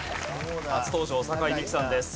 初登場酒井美紀さんです。